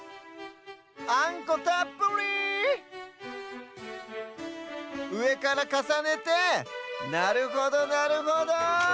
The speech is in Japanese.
あんこたっぷり！うえからかさねてなるほどなるほど。